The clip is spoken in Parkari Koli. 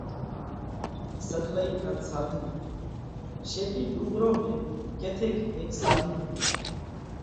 سڪلئي ان ساڌُو: شيٽِي ڏُونڳرون ۾ ڪٿيڪ هيڪ ساڌُو هتو۔